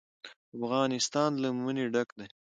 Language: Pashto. افغانستان له منی ډک دی.